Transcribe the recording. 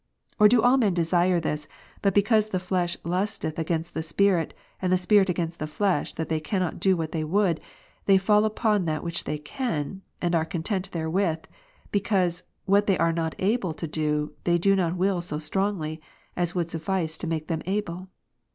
Or do all men desire this, but because the flesh lusteth against Gal. 5, the Spirit, and the Spirit against the flesh, that they cannot do what they ivould, they fall upon that which they can, and are content therewith ; because, what they are not able to do, they do not will so strongly, as would suffice to make them able'?